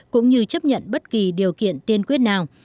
cũng như chấp nhận bất kỳ điều kiện tiên quyết nào